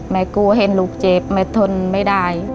แม่กลัวเห็นลูกเจ็บแม่ทนไม่ได้